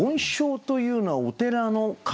梵鐘というのはお寺の鐘。